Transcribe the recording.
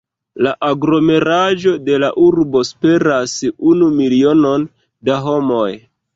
La aglomeraĵo de la urbo superas unu milionon da homoj.